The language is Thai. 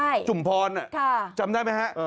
หนุ่มจุ่มพรจำได้หมดไหมครับ